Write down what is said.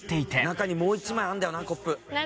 中にもう１枚あるんだよなコップ。